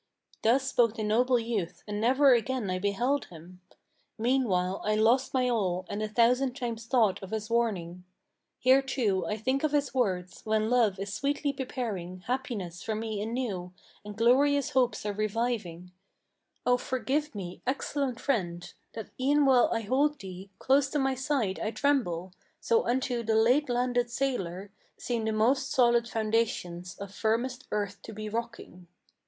Thus spoke the noble youth, and never again I beheld him. Meanwhile I lost my all, and a thousand times thought of his warning. Here, too, I think of his words, when love is sweetly preparing Happiness for me anew, and glorious hopes are reviving, Oh forgive me, excellent friend, that e'en while I hold thee Close to my side I tremble! So unto the late landed sailor Seem the most solid foundations of firmest earth to be rocking."